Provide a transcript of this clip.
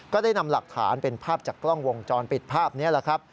ได้นำหลักฐานเป็นภาพจากกล้องวงจรปิดภาพนี้แหละครับ